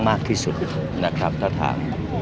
ไม่ต้องบอกว่ามันเป็นท่อง